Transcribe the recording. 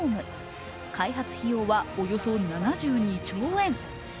開発費用は、およそ７２兆円。